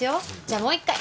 じゃあもう一回！